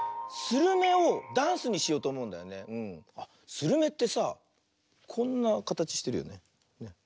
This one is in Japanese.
スルメってさあこんなかたちしてるよね。